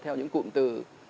theo những cụm từ